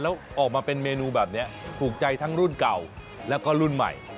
แล้วออกมาเป็นเมนูแบบนี้ถูกใจทั้งรุ่นเก่าแล้วก็รุ่นใหม่